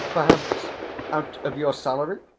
"Perhaps out of your salary...."